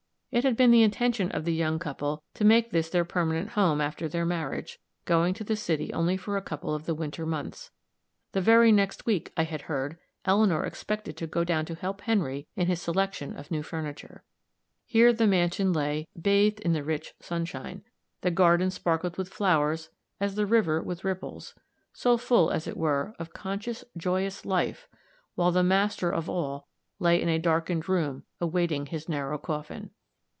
It had been the intention of the young couple to make this their permanent home after their marriage, going to the city only for a couple of the winter months. The very next week, I had heard, Eleanor expected to go down to help Henry in his selection of new furniture. Here the mansion lay, bathed in the rich sunshine; the garden sparkled with flowers as the river with ripples, so full, as it were, of conscious, joyous life, while the master of all lay in a darkened room awaiting his narrow coffin.